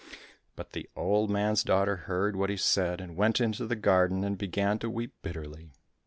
— But the old man's daughter heard what he said, and went into the garden and began to weep bitterly.